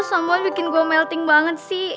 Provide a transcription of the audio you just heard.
semuanya bikin gue melting banget sih